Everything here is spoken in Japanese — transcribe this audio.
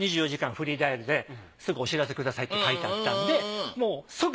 フリーダイヤルですぐお知らせくださいって書いてあったんでもう即。